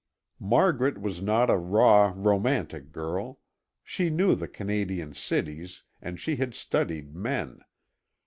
Margaret was not a raw, romantic girl; she knew the Canadian cities and she had studied men.